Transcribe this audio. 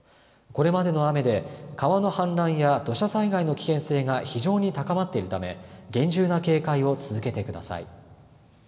これまでの雨で川の氾濫や土砂災害の危険性が非常に高まっているため厳重な警戒を続けてください。